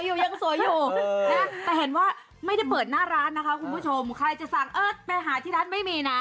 ยังสวยอยู่นะแต่เห็นว่าไม่ได้เปิดหน้าร้านนะคะคุณผู้ชมใครจะสั่งเออไปหาที่ร้านไม่มีนะ